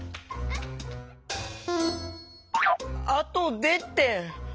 あとでって。